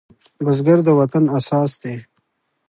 بزګر د وطن اساس دی